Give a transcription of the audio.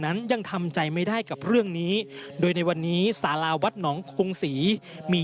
นั้นยังทำใจไม่ได้กับเรื่องนี้โดยในวันนี้สาราวัดหนองคงศรีมี